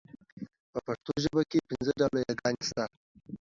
په پښتو ژبه کي دغه پنځه ډوله يې ګاني